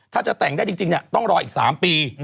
ถ้าจะแต่งได้จริงต้องรออีก๓ปี